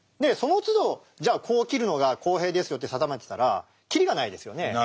そのつどじゃあこう切るのが公平ですよって定めてたら切りがないですよね。